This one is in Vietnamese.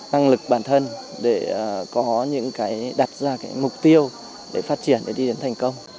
năng lực bản thân để có những cái đặt ra cái mục tiêu để phát triển để đi đến thành công